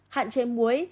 hạn chế muối